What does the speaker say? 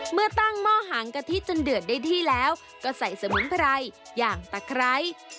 เมื่อตั้งหม้อหางกะทิจนเดือดได้ที่แล้วก็ใส่สมุนไพรอย่างตะไคร้